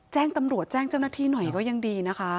แจ้งตำรวจแจ้งเจ้าหน้าที่หน่อยก็ยังดีนะคะ